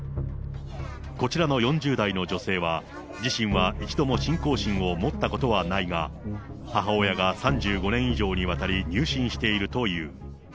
こちらの４０代の女性は、自身は一度も信仰心を持ったことはないが、母親が３５年以上にわたり入信しているという。